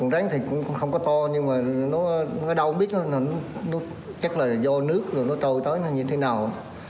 rắn thì cũng không có to nhưng mà nó ở đâu cũng biết chắc là do nước rồi nó trôi tới như thế nào